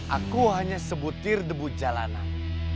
aku hanya sebutir debu jalanan